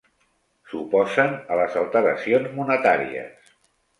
S'oposen a les alteracions monetàries.